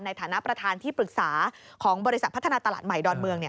ในฐานะประธานที่ปรึกษาของบริษัทพัฒนาตลาดใหม่ดอนเมือง